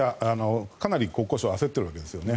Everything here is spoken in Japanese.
かなり国交省は焦っているわけですよね。